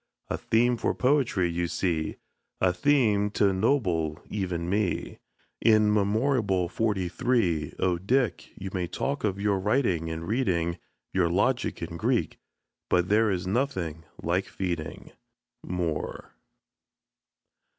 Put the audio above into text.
A theme for poetry, you see A theme t' ennoble even me, In memorable forty three. Oh, Dick! you may talk of your writing and reading, Your logic and Greek, but there is nothing like feeding. MOORE.